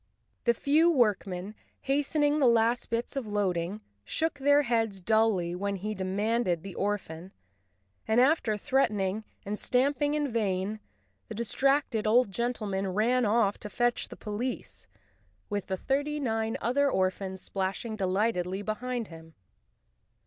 The few workmen, hastening the last bits of loading, shook their heads dully when he demanded the orphan and, after threatening and stamping in vain, the distracted old gentleman ran off to fetch the police, with the thirty nine other orphans splashing delightedly behind him.